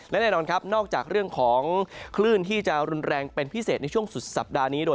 และแน่นอนครับนอกจากเรื่องของคลื่นที่จะรุนแรงเป็นพิเศษในช่วงสุดสัปดาห์นี้โดย